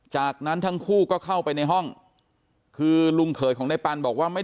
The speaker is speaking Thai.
จากนั้นทั้งคู่ก็เข้าไปในห้องคือลุงเขยของในปันบอกว่าไม่